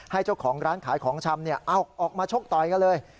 ให้เจ้าของร้านขายของชำออกมาชกต่อยกันเลย